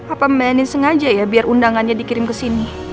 apa melewatin sengaja ya biar undangannya dikirim kesini